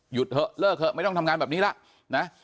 เถอะเลิกเถอะไม่ต้องทำงานแบบนี้แล้วนะ